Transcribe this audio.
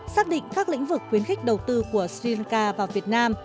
xác định các lĩnh vực khuyến khích đầu tư của sri lanka vào việt nam